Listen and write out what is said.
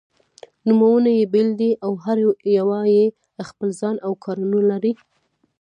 نومونه يې بېل دي او هره یوه یې خپل ځای او کار-ونه لري.